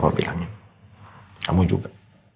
apa bilangnya kamu juga